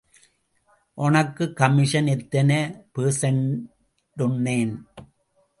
ஒனக்குக் commission எத்தனை பெர்சண்டுன்னேன்.